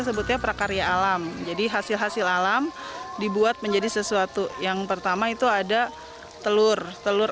sebutnya prakarya alam jadi hasil hasil alam dibuat menjadi sesuatu yang pertama itu ada telur telur